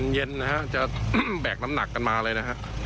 เย็นนะฮะจะแบกน้ำหนักกันมาเลยนะฮะ